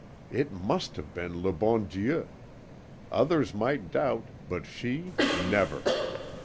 It MUST have been LE BON DIEU! Others might doubt, but she never.